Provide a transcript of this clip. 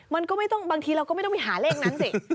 มันก็ไม่ต้องบางทีเราก็ไม่ต้องไปหาเลขนั้นสิ